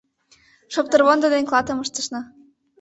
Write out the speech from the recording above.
Шоптырвондо ден клатым ыштышна